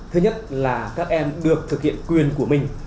thứ nhất là các em được thực hiện quyền của mình